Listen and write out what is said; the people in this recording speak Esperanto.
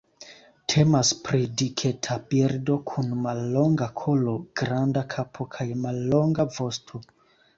Temas pri diketa birdo, kun mallonga kolo, granda kapo kaj mallonga vosto.